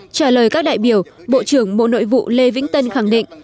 trả lời các đại biểu bộ trưởng bộ nội vụ lê vĩnh tân khẳng định